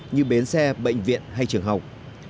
như bến xe bệnh viện hay trường học